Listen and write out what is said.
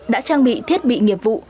đã trang bị thiết bị nghiệp vụ